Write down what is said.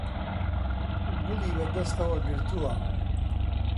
گوڵی بە دەستەوە گرتووە.